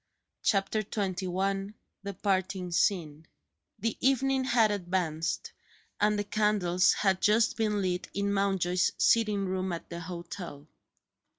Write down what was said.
CHAPTER XXI THE PARTING SCENE THE evening had advanced, and the candles had just been lit in Mountjoy's sitting room at the hotel.